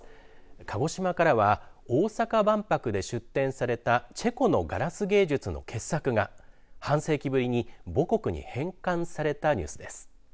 鹿児島からは大阪万博で出展されたチェコのガラス芸術の傑作が半世紀ぶりに母国に返還されたニュースです。